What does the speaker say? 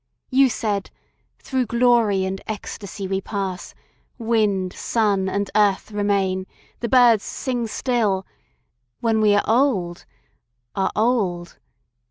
You said, "Through glory and ecstasy we pass; Wind, sun, and earth remain, the birds sing still, When we are old, are old.